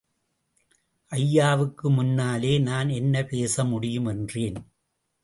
ஐயாவுக்கு முன்னாலே நான் என்ன பேச முடியும்? என்றேன்.